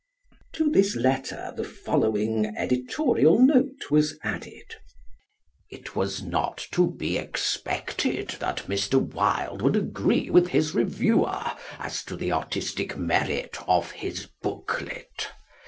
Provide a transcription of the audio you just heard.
To this letter the following editorial note was added: It was not to be expected that Mr. Wilde would agree with his reviewer as to the artistic merit of his booklet.